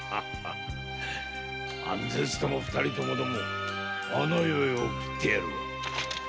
案ぜずとも二人ともどもあの世へ送ってやるわ。